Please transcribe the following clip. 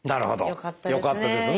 よかったですね。